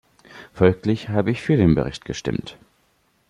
Folglich habe ich für den Bericht gestimmt.